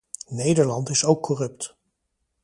Nederland is ook corrupt.